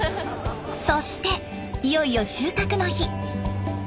そしていよいよ収穫の日。